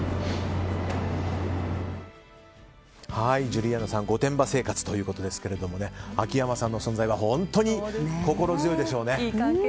ジュリアーノさんの御殿場生活ということですが秋山さんの存在は本当に心強いでしょうね。